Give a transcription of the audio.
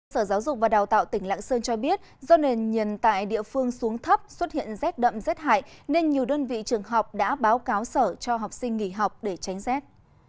sở giáo dục và đào tạo tỉnh lạng sơn cho biết do nền nhiệt tại địa phương xuống thấp xuất hiện rét đậm rét hại nên nhiều đơn vị trường học đã báo cáo sở cho học sinh nghỉ học để tránh rét